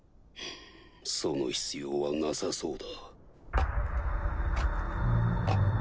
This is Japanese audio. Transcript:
その必要はなさそうだ。